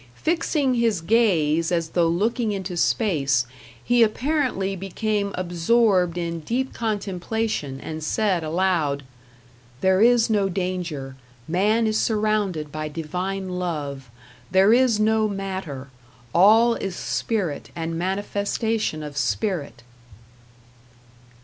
Fixing his gaze as though looking into space, he apparently became absorbed in deep contemplation and said aloud: "There is no danger; man is surrounded by divine love; there is no matter; all is spirit and manifestation of spirit."